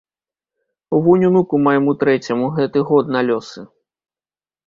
Вунь унуку майму трэцяму гэты год на лёсы.